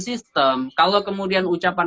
sistem kalau kemudian ucapan